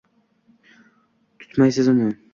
Tutmaysiz uni